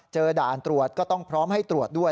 ด่านตรวจก็ต้องพร้อมให้ตรวจด้วย